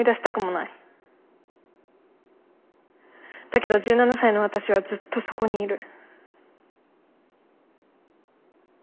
だけど１７才の私はずっとそこにいる。